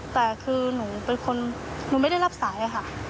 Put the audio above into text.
แต่คือหนูเป็นคนหนูไม่ได้รับสายอะค่ะ